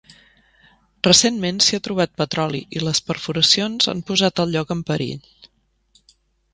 Recentment, s'hi ha trobat petroli i les perforacions han posat el lloc en perill.